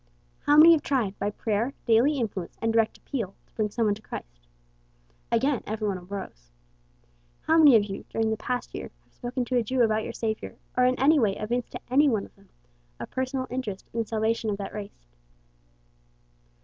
"How many have tried, by prayer, daily influence, and direct appeal, to bring some one to Christ?" Again every one arose. "How many of you, during the past year, have spoken to a Jew about your Savior, or in any way evinced to any one of them a personal interest in the salvation of that race?"